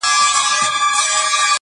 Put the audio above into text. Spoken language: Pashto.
دغه شین اسمان شاهد دی -